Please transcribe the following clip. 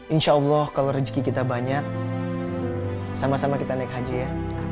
insya allah kalau rezeki kita banyak sama sama kita naik haji ya